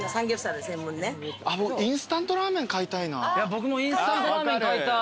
僕もインスタントラーメン買いたい。